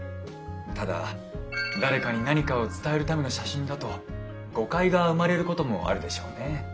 ただ誰かに何かを伝えるための写真だと誤解が生まれることもあるでしょうね。